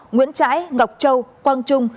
nguyễn trãi ngọc châu quang trung